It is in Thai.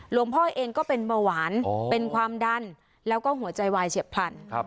หลวงพ่อเองก็เป็นเบาหวานเป็นความดันแล้วก็หัวใจวายเฉียบพลัน